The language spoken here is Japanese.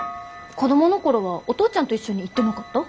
子供の頃はお父ちゃんと一緒に行ってなかった？